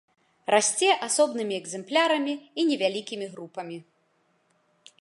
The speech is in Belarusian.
Расце асобнымі экземплярамі і невялікімі групамі.